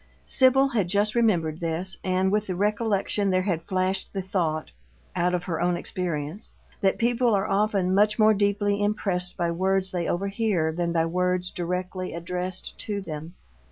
Sibyl had just remembered this, and with the recollection there had flashed the thought out of her own experience that people are often much more deeply impressed by words they overhear than by words directly addressed to them.